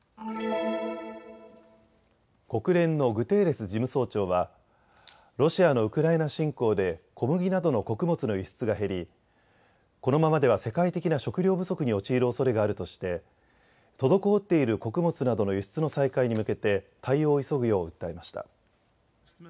国連のグテーレス事務総長はロシアのウクライナ侵攻で小麦などの穀物の輸出が減りこのままでは世界的な食料不足に陥るおそれがあるとして滞っている穀物などの輸出の再開に向けて対応を急ぐよう訴えました。